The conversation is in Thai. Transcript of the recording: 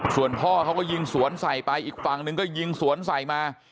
ส่วนพ่อเขาก็ยิงสวนใส่ไปอีกฝั่งหนึ่งก็ยิงสวนใส่มา